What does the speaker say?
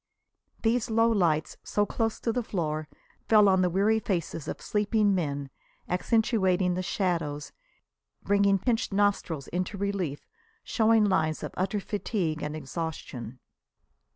These low lights, so close to the floor, fell on the weary faces of sleeping men, accentuating the shadows, bringing pinched nostrils into relief, showing lines of utter fatigue and exhaustion.